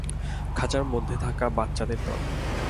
খাঁচার মধ্যে থাকা বাচ্চাদের দল।